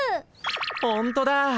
ほんとだ。